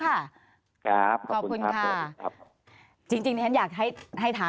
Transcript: ครับขอบคุณครับครับ